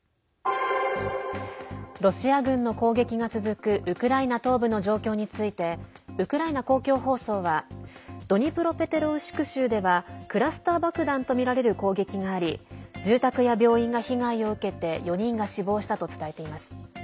ロシア軍の攻撃が続くウクライナ東部の状況についてウクライナ公共放送はドニプロペトロウシク州ではクラスター爆弾とみられる攻撃があり住宅や病院が被害を受けて４人が死亡したと伝えています。